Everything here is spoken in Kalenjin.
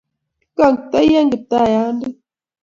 Kigakto-in, Kiptaiyandet,